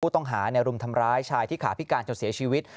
ต้องหาในรุมทำร้ายชายที่ขาพิการจนเสียชีวิต